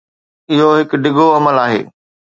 اهو هڪ ڊگهو عمل آهي.